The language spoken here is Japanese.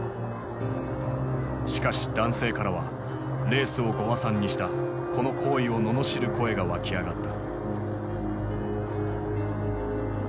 しかし男性からはレースをご破算にしたこの行為を罵る声が湧き上がった。